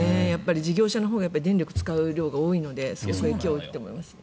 事業者のほうが電力を使う量が多いので影響は大きいと思いますね。